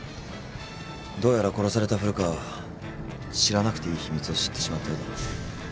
どうやら殺された古川は知らなくていい秘密を知ってしまったようだ。